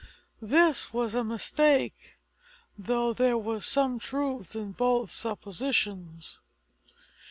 This was a mistake, though there was some truth in both suppositions.